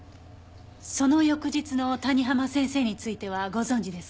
その翌日の谷浜先生についてはご存じですか？